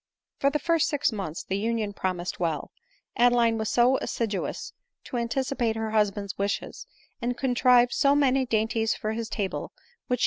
For the first six months the union promised well* Ad eline was so assiduous to anticipate her husband's wishes, and contrived so many dainties for his table, which she ADELINE MOWBRAY.